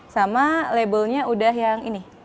sama labelnya udah yang ini